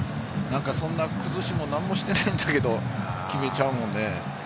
そんな崩しも何もしてないんだけど、決めちゃうもんね。